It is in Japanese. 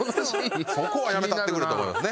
そこはやめたってくれと思いますね。